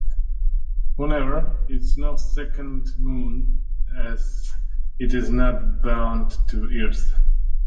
However, is no second moon, as it is not bound to Earth.